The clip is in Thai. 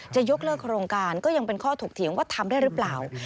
จะยกเลิกโครงการก็ยังเป็นข้อถกเถียงว่าทำได้หรือเปล่า